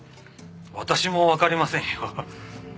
私もわかりませんよ。